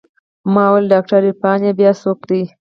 ما وويل ډاکتر عرفان يې بيا څوک دى.